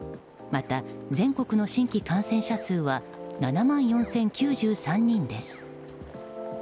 また、全国の新規感染者数は７万４０９３人です。